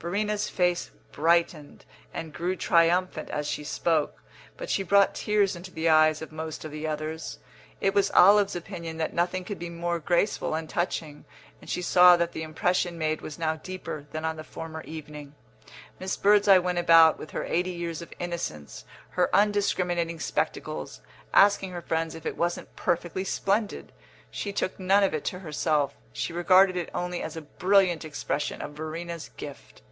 Verena's face brightened and grew triumphant as she spoke, but she brought tears into the eyes of most of the others. It was Olive's opinion that nothing could be more graceful and touching, and she saw that the impression made was now deeper than on the former evening. Miss Birdseye went about with her eighty years of innocence, her undiscriminating spectacles, asking her friends if it wasn't perfectly splendid; she took none of it to herself, she regarded it only as a brilliant expression of Verena's gift.